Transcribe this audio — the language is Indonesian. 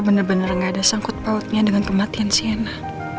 gue bener bener gak ada sangkut pautnya dengan kematian sienna